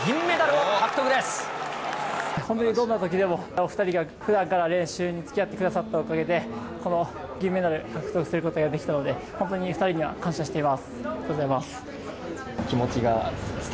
本当にどんなときでも、お２人がふだんから練習につきあってくださったおかげで、この銀メダル、獲得することができたので、本当に２人には感謝しています。